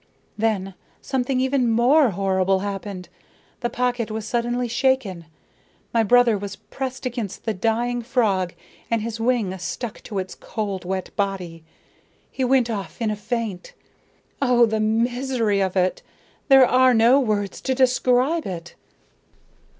Then something even more horrible happened. The pocket was suddenly shaken, my brother was pressed against the dying frog and his wings stuck to its cold, wet body. He went off in a faint. Oh, the misery of it! There are no words to describe it."